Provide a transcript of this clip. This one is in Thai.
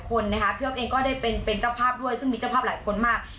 คนนะภาพก็ได้เป็นเป็นเจ้าภาพด้วยซึ่งมีภาพหลายคนมากมี